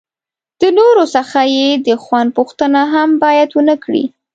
د نورو څخه یې د خوند پوښتنه هم باید ونه کړي.